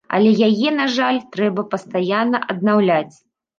Але яе, на жаль, трэба пастаянна аднаўляць.